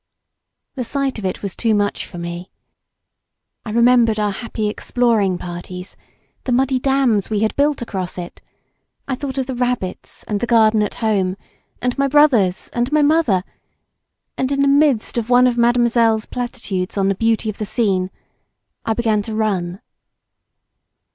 The sight of it was too much for me. I remembered our happy exploring parties the muddy dams we had built across it; I thought of the rabbits and the garden at home, and my brothers and my mother, and in the midst of one of mademoiselle's platitudes on the beauty of the scene, I began to run.